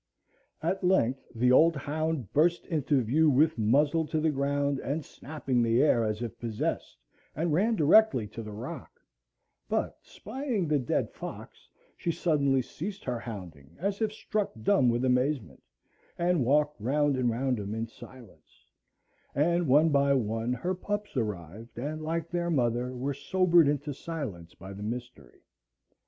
At length the old hound burst into view with muzzle to the ground, and snapping the air as if possessed, and ran directly to the rock; but spying the dead fox she suddenly ceased her hounding as if struck dumb with amazement, and walked round and round him in silence; and one by one her pups arrived, and, like their mother, were sobered into silence by the mystery.